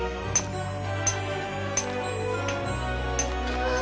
うわ！